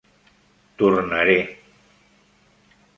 Tornaré.